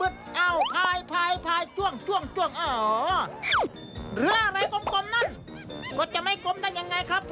เธรี่อย่างจริง